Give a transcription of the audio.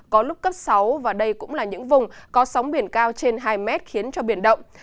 có lúc cấp sáu và đây cũng là những vùng có sóng biển cao trên hai mét khiến cho biển động